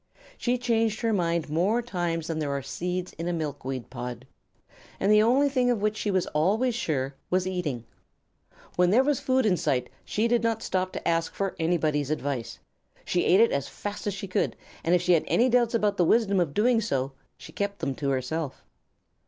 She changed her mind more times than there are seeds in a milkweed pod, and the only thing of which she was always sure was eating. When there was food in sight she did not stop for anybody's advice. She ate it as fast as she could, and if she had any doubts about the wisdom of doing so, she kept them to herself.